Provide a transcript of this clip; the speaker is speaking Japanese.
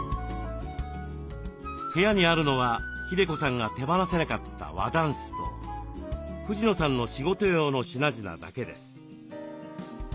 部屋にあるのは日出子さんが手放せなかった和だんすと藤野さんの仕事用の品々だけです。